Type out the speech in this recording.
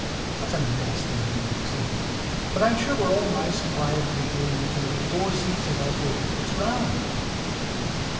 that's a nasty New York saying. But I'm sure we're all nice quiet people and there can be four seats at our table. It's round."